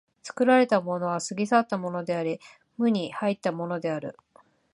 作られたものは過ぎ去ったものであり、無に入ったものである。